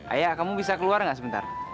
ayah kamu bisa keluar nggak sebentar